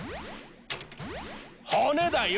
骨だよ！